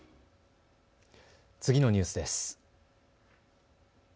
次のニュースです。